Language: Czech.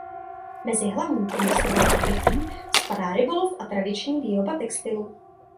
Mezi hlavní průmyslová odvětví spadá rybolov a tradiční výroba textilu.